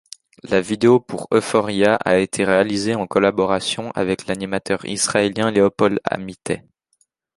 La vidéo pour Euphoria a été réalisée en collaboration avec l’animateur israélien Leopold Amitay.